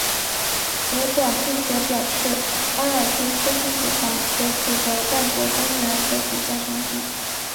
葡广并且表示阿尔蒂斯竞技场所处的万国公园为比赛场地。